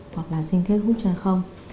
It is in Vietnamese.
hoặc là sinh thiết hút chân không